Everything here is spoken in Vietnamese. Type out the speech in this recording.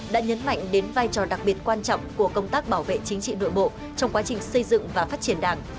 đã nhấn mạnh đến vai trò đặc biệt quan trọng của công tác bảo vệ chính trị nội bộ trong quá trình xây dựng và phát triển đảng